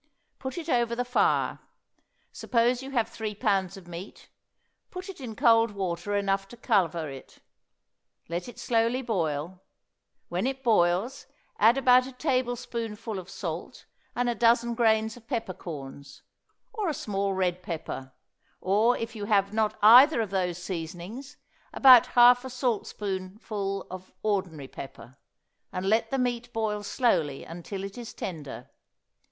Put it over the fire; suppose you have three pounds of meat; put it in cold water enough to cover it. Let it slowly boil; when it boils, add about a tablespoonful of salt and a dozen grains of peppercorns, or a small red pepper, or if you have not either of those seasonings, about half a saltspoonful of ordinary pepper; and let the meat boil slowly until it is tender.